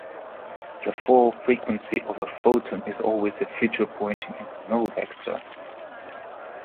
The four-frequency of a photon is always a future-pointing and null vector.